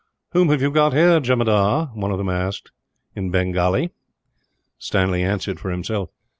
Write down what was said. "Whom have you got here, jemadar?" one of them asked, in Bengalee. Stanley answered for himself.